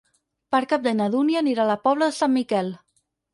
Per Cap d'Any na Dúnia anirà a la Pobla de Sant Miquel.